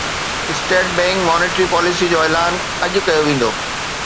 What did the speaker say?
state bank monetary policy جو اعلان اڄ ڪيو ويندو